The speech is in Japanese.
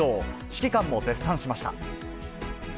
指揮官も絶賛しました。